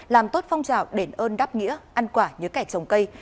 làm tốt phong trào để ơn đáp nghĩa ăn quả như kẻ trồng cây